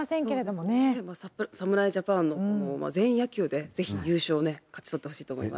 もう侍ジャパンの全員野球で、ぜひ優勝を勝ち取ってほしいと思います。